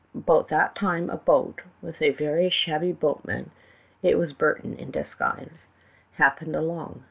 About that time a boat, with a very shabby boatman (it was Burton in disguise), happened along.